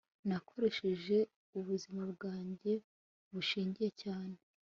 nakoresheje ubuzima bwanjye bushingiye cyane